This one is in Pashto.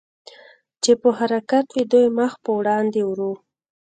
چې په حرکت وې، دوی مخ په وړاندې ورو.